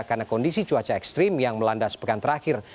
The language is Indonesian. karena kondisi cuaca ekstrim yang melanda sepekan terakhir